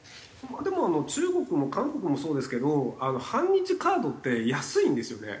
でも中国も韓国もそうですけど反日カードって安いんですよね。